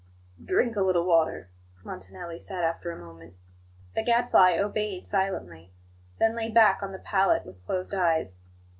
"Drink a little water," Montanelli said after a moment. The Gadfly obeyed silently; then lay back on the pallet with closed eyes.